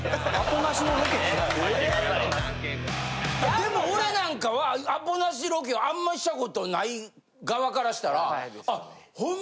でも俺なんかはアポなしロケをあんまりしたことない側からしたら。